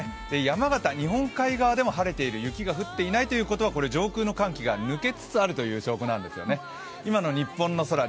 山形、日本海側でも晴れている、雪が降っていないということは上空の寒気が抜けつつあるという証拠なんですね。